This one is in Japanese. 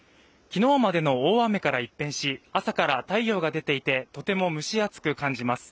昨日までの大雨から一変し朝から太陽が出ていてとても蒸し暑く感じます